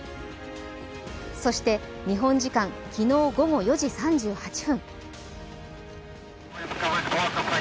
そして、日本時間昨日午後４時３８分。